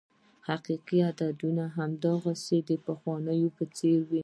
حقیقي عددونه هماغسې د پخوا په څېر وې.